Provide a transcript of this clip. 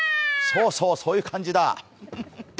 そうそうそういう感じだ！